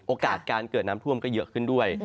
โอกาสการเกิดน้ำท่วมก็เยอะขึ้นด้วย